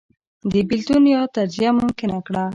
دې بېلتون یا تجزیه ممکنه کړه